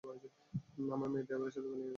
আমার মেয়ে ড্রাইভারের সাথে পালিয়ে গেছে।